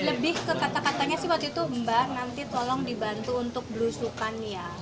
lebih ke kata katanya sih waktu itu mbak nanti tolong dibantu untuk belusukan ya